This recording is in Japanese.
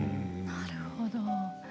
なるほど。